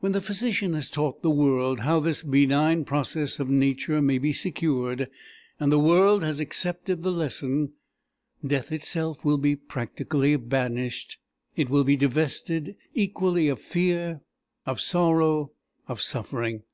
When the physician has taught the world how this benign process of Nature may be secured, and the world has accepted the lesson, death itself will be practically banished; it will be divested equally of fear, of sorrow, of suffering.